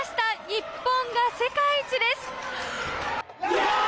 日本が世界一です！